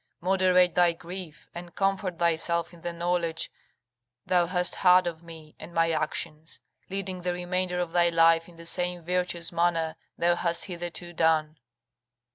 Moderate thy grief, and comfort thyself in the knowledge thou hast had of me and my actions, leading the remainder of thy life in the same virtuous manner thou hast hitherto done."